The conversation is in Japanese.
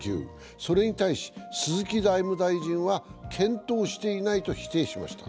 それに対し、鈴木財務大臣は検討していないと否定しました。